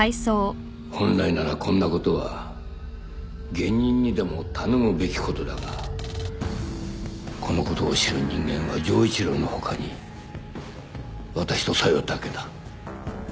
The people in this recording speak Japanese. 本来ならこんなことは下忍にでも頼むべきことだがこのことを知る人間は城一郎の他に私と小夜だけだ